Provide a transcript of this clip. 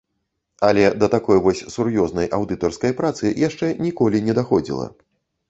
Але да такой вось сур'ёзнай аўдытарскай працы яшчэ ніколі не даходзіла.